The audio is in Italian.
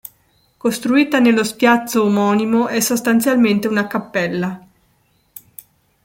Costruita nello spiazzo omonimo, è sostanzialmente una cappella.